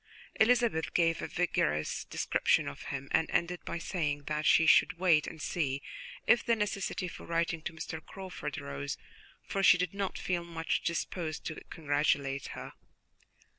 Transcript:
Elizabeth gave a vigorous description of him and ended by saying that she should wait and see if the necessity for writing to Miss Crawford arose, for she did not feel much disposed to congratulate her.